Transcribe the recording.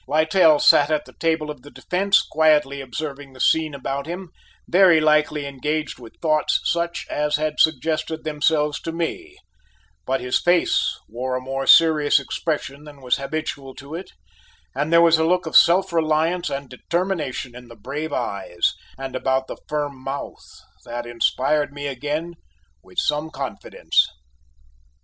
Littell sat at the table of the defence quietly observing the scene about him, very likely engaged with thoughts such as had suggested themselves to me: but his face wore a more serious expression than was habitual to it, and there was a look of self reliance and determination in the brave eyes and about the firm mouth that inspired me again with some confidence.